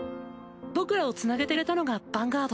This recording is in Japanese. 僕らをつなげてくれたのがヴァンガード